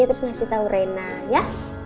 terus ngasih tau rena ya